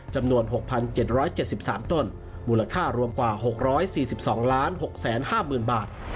จำนวน๖๗๗๓ต้นมูลค่ารวมกว่า๖๔๒๖๕๐๐๐บาท